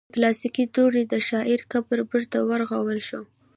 د کلاسیکي دورې د شاعر قبر بیرته ورغول شو.